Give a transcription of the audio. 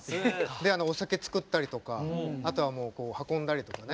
であのお酒作ったりとかあとは運んだりとかね。